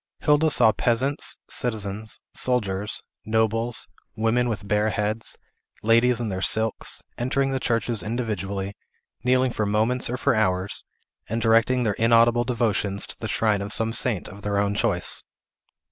Hilda saw peasants, citizens, soldiers, nobles, women with bare heads, ladies in their silks, entering the churches individually, kneeling for moments or for hours, and directing their inaudible devotions to the shrine of some saint of their own choice.